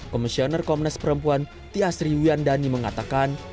komisioner komnas perempuan tiasri wiandani mengatakan